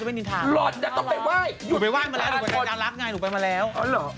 ที่มี๔๐ที่ต้องอัลเบนซ์